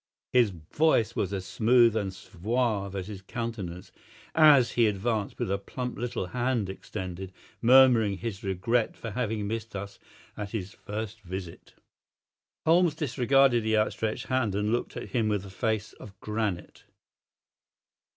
His voice was as smooth and suave as his countenance, as he advanced with a plump little hand extended, murmuring his regret for having missed us at his first visit. Holmes disregarded the outstretched hand and looked at him with a face of granite.